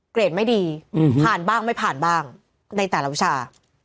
เกรดไม่ดีผ่านบ้างไม่ผ่านบ้างในแต่ละวิชา